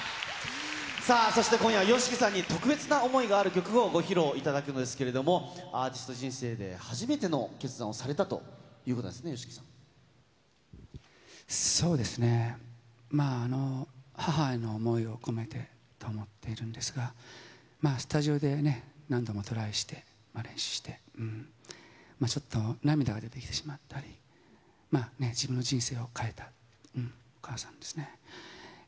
さあ、そして今夜はＹＯＳＨＩＫＩさんに特別な思いがある曲をご披露していただくんですけれども、アーティスト人生で初めての決断をされたということなんですね、そうですね、母への思いを込めてと思っているんですが、スタジオで何度もトライして、練習して、まあちょっと涙が出てきてしまったり、自分の人生を変えた、お母さんですね。